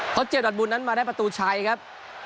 เค้าเจ็บดอทมูลมาได้ประตูชัยครับ